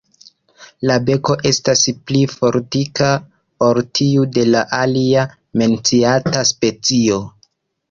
La beko estas pli fortika ol tiu de la alia menciata specio.